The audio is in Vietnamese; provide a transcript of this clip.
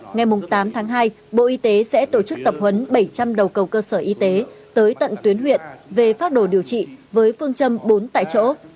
ngày tám tháng hai bộ y tế sẽ tổ chức tập huấn bảy trăm linh đầu cầu cơ sở y tế tới tận tuyến huyện về phát đồ điều trị với phương châm bốn tại chỗ